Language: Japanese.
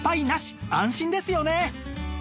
安心ですよね！